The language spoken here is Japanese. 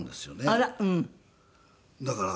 あら。